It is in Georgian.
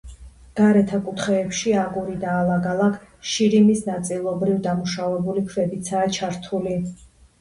გარეთა კუთხეებში, აგური და ალაგ-ალაგ, შირიმის ნაწილობრივ დამუშავებული ქვებიცაა ჩართული.